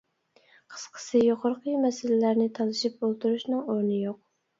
قىسقىسى، يۇقىرىقى مەسىلىلەرنى تالىشىپ ئولتۇرۇشنىڭ ئورنى يوق.